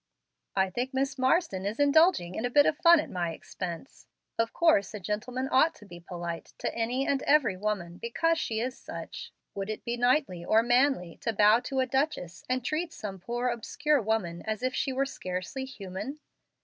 "I think Miss Marsden is indulging in a bit of fun at my expense. Of course a gentleman ought to be polite to any and every woman, because she is such. Would it be knightly or manly to bow to a duchess, and treat some poor obscure woman as if she were scarcely human?